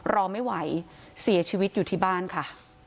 รอไม่ไหวเสียชีวิตอยู่ที่บ้านค่ะ